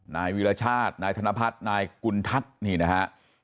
นายวิรชาตินายธนพัฒน์นายกุณฑัศนนี่นะฮะ